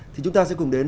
thì chúng ta sẽ cùng đến